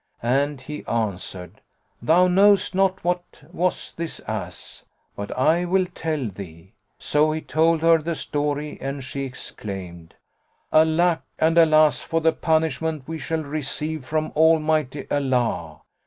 and he answered, "Thou knowest not what was this ass; but I will tell thee." So he told her the story, and she exclaimed, "Alack and alas for the punishment we shall receive from Almighty Allah!